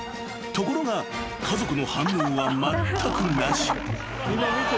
［ところが家族の反応はまったくなし］